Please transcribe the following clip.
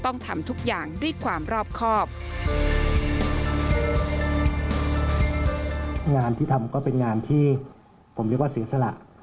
งานที่ทำก็เป็นงานที่ผมเรียกว่าศูนย์สละ